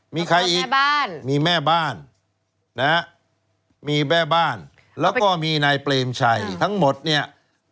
มีใครอีกบ้านมีแม่บ้านนะฮะมีแม่บ้านแล้วก็มีนายเปรมชัยทั้งหมดเนี่ย